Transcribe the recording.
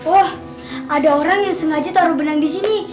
oh ada orang yang sengaja taruh benang disini